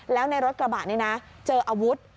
แล้วในรถกระบะนี้นะเจออาวุธ